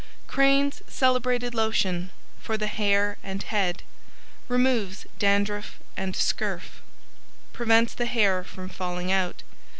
] Crane's Celebrated Lotion For the Hair and Head. Removes Dandruff and Scurf. Prevents the Hair from falling out.